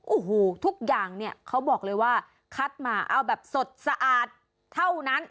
โอ้โหทุกอย่างเนี่ยเขาบอกเลยว่าคัดมาเอาแบบสดสะอาดเท่านั้น